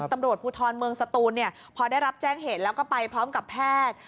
ตำรวจภูทรเมืองสตูนพอได้รับแจ้งเหตุแล้วก็ไปพร้อมกับแพทย์